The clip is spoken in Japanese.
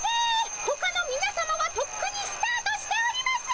ほかのみなさまはとっくにスタートしております！